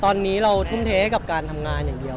ตอนนี้เราทุ่มเทกับการทำงานอย่างเดียว